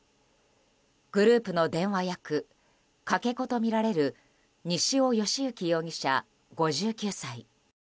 グループの電話役かけ子とみられる西尾嘉之容疑者、５９歳。